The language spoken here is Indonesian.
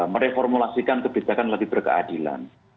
mereformulasikan kebijakan lebih berkeadilan